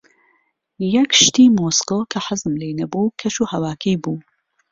یەک شتی مۆسکۆ کە حەزم لێی نەبوو، کەشوهەواکەی بوو.